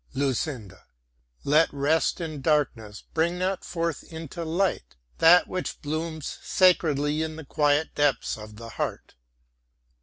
LUCINDA Let rest in darkness, bring not forth into light, that which blooms sacredly in the quiet depths of the heart.